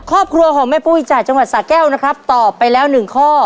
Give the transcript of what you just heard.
ครอบครัวของแม่ผู้วิจัยจังหวัดสระแก้วนะครับตอบไปแล้ว๑ข้อ